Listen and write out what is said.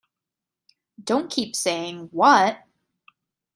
Don't keep saying, 'What?'